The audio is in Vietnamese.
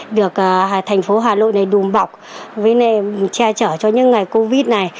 được thành phố hà nội này đùm bọc với che chở cho những ngày covid này